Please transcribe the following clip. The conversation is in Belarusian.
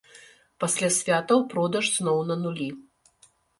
Пасля святаў продаж зноў на нулі.